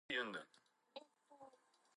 隣の客はよく柿喰う客だ